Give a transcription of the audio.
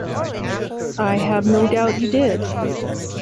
I have no doubt you did.